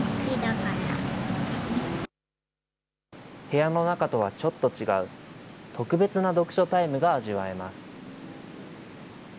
部屋の中とはちょっと違う特別な読書タイムが味わえます。